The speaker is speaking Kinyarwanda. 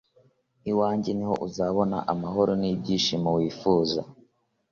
iwanjye niho uzabona amahoro n'ibyishimo wifuza